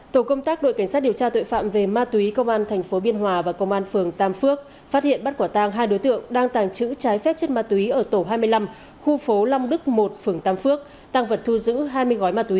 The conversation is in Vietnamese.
tổ công tác đội cảnh sát điều tra tội phạm về ma túy công an tp biên hòa và công an phường tam phước phát hiện bắt quả tang hai đối tượng đang tàng trữ trái phép chất ma túy ở tổ hai mươi năm khu phố long đức một phường tam phước tàng vật thu giữ hai mươi gói ma túy